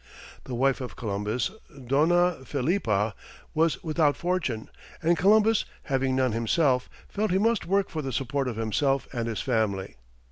The wife of Columbus, Dona Filippa, was without fortune, and Columbus, having none himself, felt he must work for the support of himself and his family.